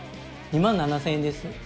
２万７０００円です。